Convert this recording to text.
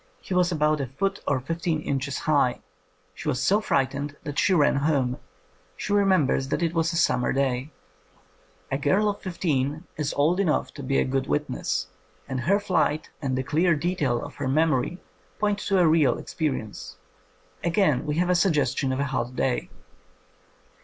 He was about a foot or fifteen inches high. She was so frightened that she ran home. She remembers that it was a summer day." A girl of fifteen is old enough to be a good witness, and her flight and the clear detail of her memory point to a real experience. Again we have the suggestion of a hot day.